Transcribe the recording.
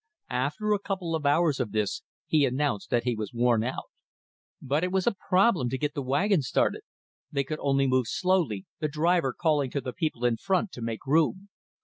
After a couple of hours of this he announced that he was worn out. But it was a problem to get the wagon started; they could only move slowly, the driver calling to the people in front to make room.